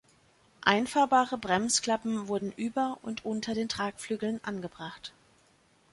Einfahrbare Bremsklappen wurden über und unter den Tragflügeln angebracht.